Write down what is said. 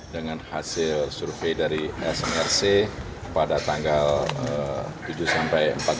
dengan hasil survei dari smrc pada tanggal tujuh sampai empat belas